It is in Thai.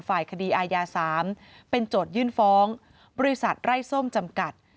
ฝ่ายคดีอายา๓เป็นโจทยื่นฟ้องบริษัทไร้ส้มจำกัด